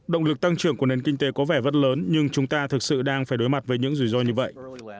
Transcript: động lực tăng trưởng của nền kinh tế có vẻ rất lớn nhưng chúng ta thực sự đang phải đối mặt với những rủi ro như vậy